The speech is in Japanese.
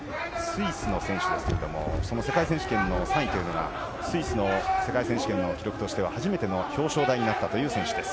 世界選手権の３位というのはスイスの世界選手権の記録としては初めての表彰台になったという選手です。